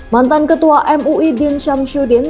mantan ketua mui din syamsuddin